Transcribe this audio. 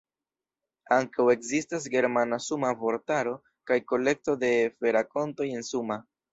Ankaŭ ekzistas germana-Suma vortaro kaj kolekto de fe-rakontoj en Suma.